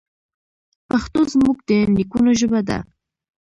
پښتو زموږ د نیکونو ژبه ده.